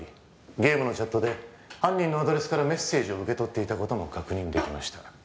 ゲームのチャットで犯人のアドレスからメッセージを受け取っていたことも確認できました